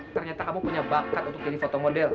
ternyata kamu punya bakat untuk jadi foto model